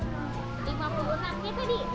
lima puluh dolar ya pak di